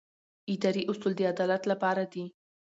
اداري اصول د عدالت لپاره دي.